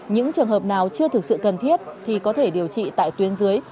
những trường hợp nào chưa thực sự cần thiết thì có thể điều trị tại tuyến dưới